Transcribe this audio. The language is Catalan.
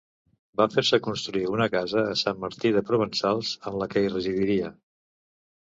Va fer-se construir una casa a Sant Martí de Provençals en la que hi residiria.